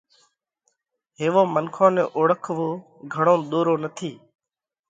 ھيوون منکون نئہ اوۯکوو گھڻو ۮورو نٿِي،